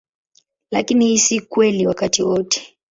Lakini hii si kweli wakati wote.